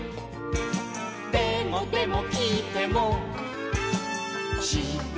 「でもでもきいてもしんじない」